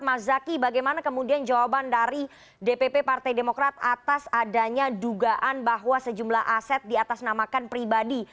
mas zaky bagaimana kemudian jawaban dari dpp partai demokrat atas adanya dugaan bahwa sejumlah aset diatasnamakan pribadi